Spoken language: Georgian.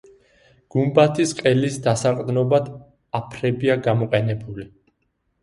გუმბათის ყელის დასაყრდნობად აფრებია გამოყენებული.